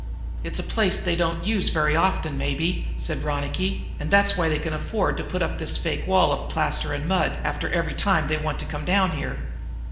"It's a place they don't use very often, maybe," said Ronicky, "and that's why they can afford to put up this fake wall of plaster and mud after every time they want to come down here.